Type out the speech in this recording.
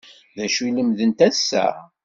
D acu i lemdent ass-a?